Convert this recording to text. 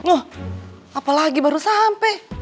oh apalagi baru sampe